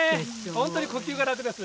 本当に呼吸が楽です。